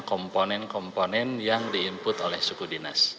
komponen komponen yang di input oleh suku dinas